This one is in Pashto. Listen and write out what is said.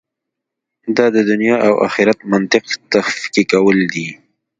دا د دنیا او آخرت منطق تفکیکول دي.